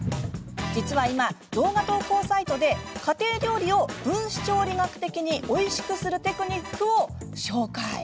実は今、動画投稿サイトで家庭料理を分子調理学的においしくするテクニックを紹介。